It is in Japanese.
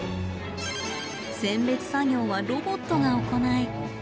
選別作業はロボットが行い